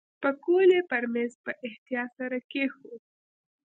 پکول یې پر میز په احتیاط سره کېښود.